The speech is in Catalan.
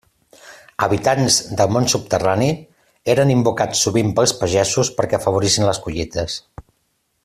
Habitants del món subterrani, eren invocats sovint pels pagesos perquè afavorissin les collites.